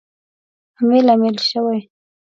امیل، امیل شوی